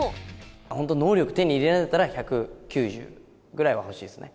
本当、能力手に入れられるんだったら、１９０ぐらいは欲しいですね。